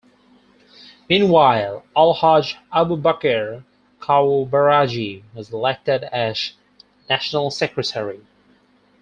Meanwhile, Alhaji Abubakar Kawu Baraje was elected as National Secretary.